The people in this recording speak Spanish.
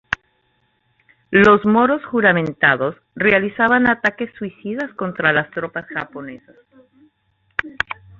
Los moros "juramentados" realizaban ataques suicidas contra las tropas japonesas.